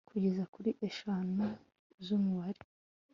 kugeza kuri eshanu z umubare